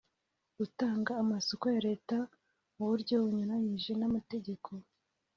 utanga amasoko ya Leta mu buryo bunyuranije n’amategeko